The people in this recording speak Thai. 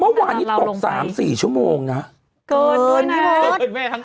เมื่อวันนี้ตกสามสี่ชั่วโมงน่ะเกินด้วยน่ะ